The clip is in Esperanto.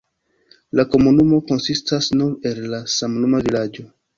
La komunumo konsistas nur el la samnoma vilaĝo.